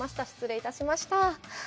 失礼いたしました。